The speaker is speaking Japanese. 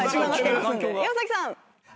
岩崎さん。